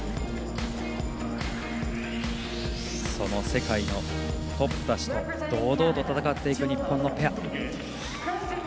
その世界のトップたちと堂々と戦っていく日本のペア。